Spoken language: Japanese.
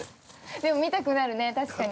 でも見たくなるね、確かに。